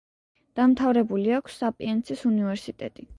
დამთავრებული აქვს საპიენცის უნივერსიტეტი.